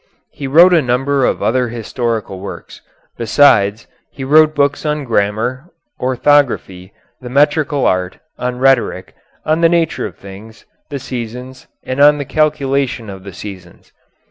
He wrote a number of other historical works. Besides, he wrote books on grammar, orthography, the metrical art, on rhetoric, on the nature of things, the seasons, and on the calculation of the seasons.